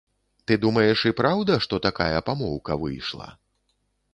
Ты думаеш і праўда, што такая памоўка пайшла?